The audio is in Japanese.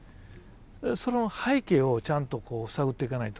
その背景をちゃんと探っていかないと。